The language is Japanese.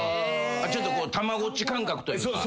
ちょっとこうたまごっち感覚というか。